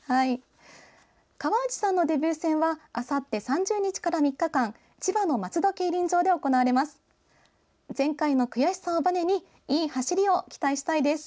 河内さんのデビュー戦はあさって３０日から３日間千葉の松戸競輪場で行われます。